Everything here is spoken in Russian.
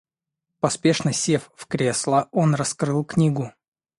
Поспешно сев в кресло, он раскрыл книгу.